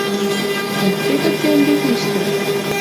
Уке гыце ӹнде тиштӹ?